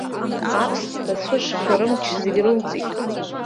Аԥсҭҳәа цәышқәа рымч зегь рылҵит.